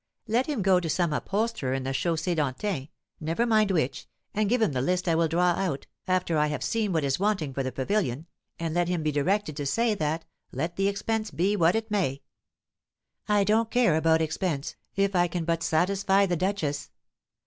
Let him go to some upholsterer in the Chaussée d'Antin never mind which and give him the list I will draw out, after I have seen what is wanting for the pavilion; and let him be directed to say that, let the expense be what it may " "I don't care about expense, if I can but satisfy the duchess."